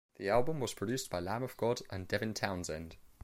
The album was produced by Lamb of God and Devin Townsend.